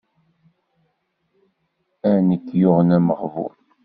A nekk yuɣen ameɣbun.